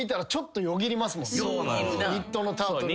ニットのタートル。